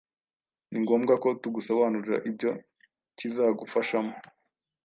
Ni ngombwa ko tugusobanurira ibyo kizagufashamo,